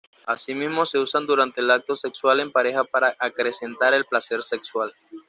Asimismo se usan durante el acto sexual en pareja para acrecentar el placer sexual.